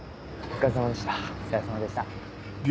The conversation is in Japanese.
お疲れさまでした。